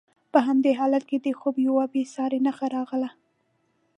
په همدې حالت کې د خوب یوه بې ساري نښه راغله.